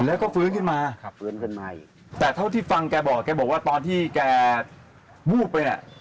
แล้วก็ฟื้นขึ้นมาแต่เท่าที่ฟังแกบอกแกบอกว่าตอนที่แกวูบไป